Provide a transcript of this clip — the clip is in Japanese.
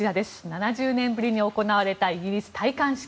７０年ぶりに行われたイギリス戴冠式。